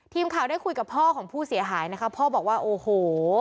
ทีมข่าวได้คุยกับพ่อของผู้เสียหายนะคะพ่อบอกว่าโอ้โห